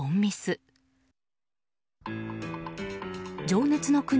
情熱の国